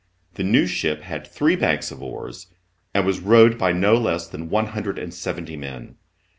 The new ship had three banks of oars, and was, rowed by no less than one hundred and seventy men.